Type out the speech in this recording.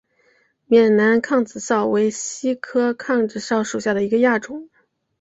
缅南杭子梢为豆科杭子梢属下的一个亚种。